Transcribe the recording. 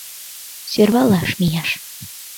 Сӧрвалаш мияш.